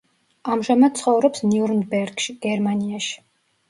ამჟამად ცხოვრობს ნიურნბერგში, გერმანიაში.